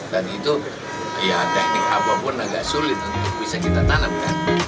dan itu ya teknik apapun agak sulit untuk bisa kita tanamkan